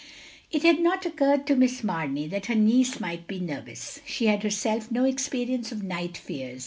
It had not occurred to Miss Mamey that her niece might be nervous; she had herself no ex periaice of night fears.